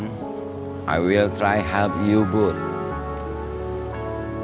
saya akan coba bantu lo berdua